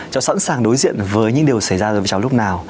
cháu sẵn sàng đối diện với những điều xảy ra với cháu lúc nào